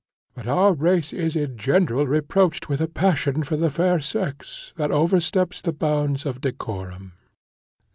But our race is in general reproached with a passion for the fair sex, that oversteps the bounds of decorum.